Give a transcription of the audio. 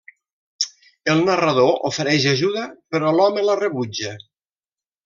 El narrador ofereix ajuda però l'home la rebutja.